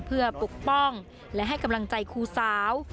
เพื่อปกป้องและให้กำลังใจครูสาว